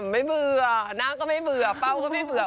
ไม่เบื่อหน้าก็ไม่เบื่อเป้าก็ไม่เบื่อ